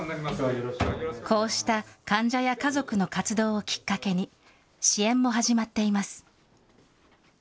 こうした患者や家族の活動をきっかけに、支援も始まっています。